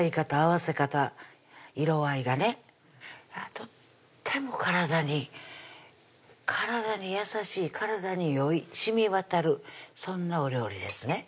とっても体に体に優しい体によいしみ渡るそんなお料理ですね